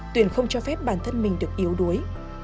tuyền không cho phép bản thân mình được yếu đuối